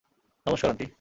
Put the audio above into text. নমস্কার, আন্টি।